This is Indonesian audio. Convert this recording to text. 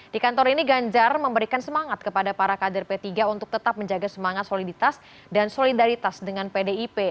di kantor ini ganjar memberikan semangat kepada para kader p tiga untuk tetap menjaga semangat soliditas dan solidaritas dengan pdip